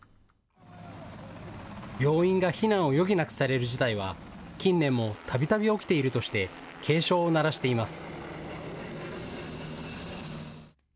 病院が避難を余儀なくされる事態は近年もたびたび起きているとして警鐘を鳴らしています。